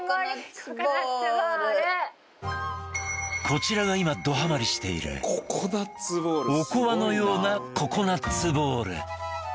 こちらが今どハマりしているおこわのようなココナッツボール